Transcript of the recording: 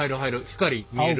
光見える。